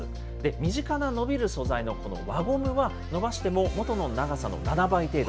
身近な伸びる素材の輪ゴムは、伸ばしても、元の長さの７倍程度。